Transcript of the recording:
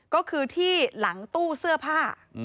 ก็คือที่หลังตู้เสื้อผ้า